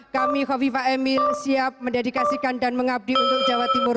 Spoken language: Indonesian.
kami hovifa emil siap mendedikasikan dan mengabdi untuk jawa timur